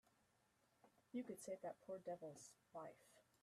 You could save that poor devil's life.